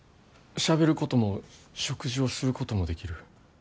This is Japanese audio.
しゃべることも食事をすることもできる。